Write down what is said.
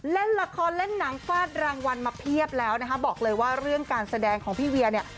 เล่นละครเล่นหนังฟาดรางวัลมาเพียบแล้วนะคะบอกเลยว่าเรื่องการแสดงของพี่เวียเนี่ย